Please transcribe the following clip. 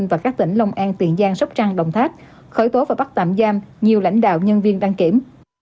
và các tỉnh long an tiền giang sóc trăng đồng tháp khởi tố và bắt tạm giam nhiều lãnh đạo nhân viên đăng kiểm